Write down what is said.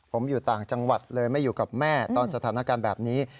ผมอยู่ต่างจังหวัดเลยไม่อยู่กับแม่ตอนสถานการณ์แบบนี้